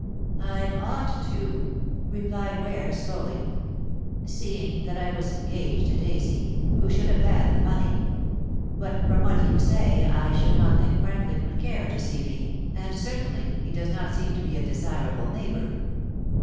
"I ought to," replied Ware slowly, "seeing that I was engaged to Daisy, who should have had the money. But from what you say I should not think Franklin would care to see me, and certainly he does not seem to be a desirable neighbor."